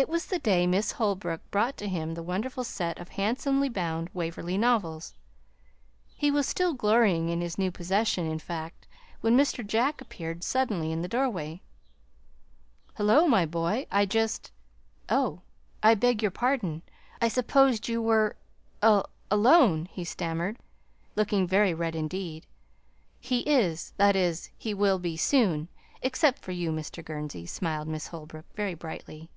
It was the day Miss Holbrook brought to him the wonderful set of handsomely bound "Waverley Novels." He was still glorying in his new possession, in fact, when Mr. Jack appeared suddenly in the doorway. "Hullo my boy, I just Oh, I beg your pardon. I supposed you were alone," he stammered, looking very red indeed. "He is that is, he will be, soon except for you, Mr. Gurnsey," smiled Miss Holbrook, very brightly.